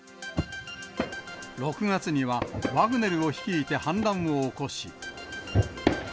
６月にはワグネルを率いて反乱を起こし。